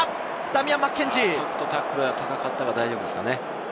ちょっとタックルが高かったけれど、大丈夫ですかね？